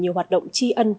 nhiều hoạt động chi ân